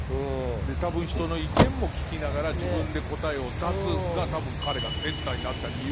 で多分「人の意見も聞きながら自分で答えを出す」が多分彼がセッターになった理由だから。